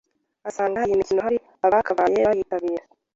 asanga iyi mikino hari abakabaye bayitabira